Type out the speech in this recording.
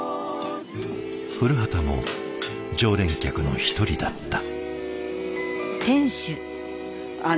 降旗も常連客の一人だった。